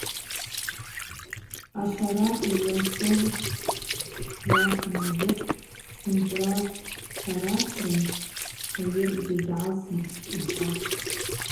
Ашварацыгӏв ласы дшпсуаш анидыр – Сынцӏра сшварацын хайыркӏгьи гьгӏалсымхтӏ, – йхӏватӏ.